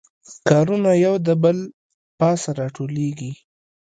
کارونه یو د بل پاسه راټولیږي